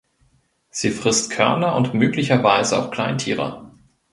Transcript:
Sie frisst Körner und möglicherweise auch Kleintiere.